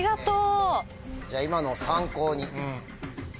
じゃあ今のを参考に。